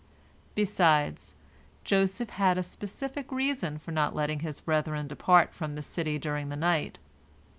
" Besides, Joseph had a specific reason for not letting his brethren depart from the city during the night.